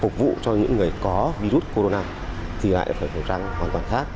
cho những người có virus corona thì lại là phải khẩu trang hoàn toàn khác